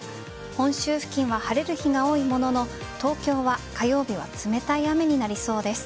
本州付近は晴れる日が多いものの東京は、火曜日は冷たい雨になりそうです。